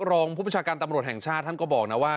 รองผู้ประชาการตำรวจแห่งชาติท่านก็บอกนะว่า